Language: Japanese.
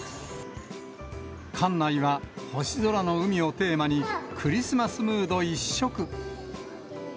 館内は、星空の海をテーマに、クリスマスムード一色。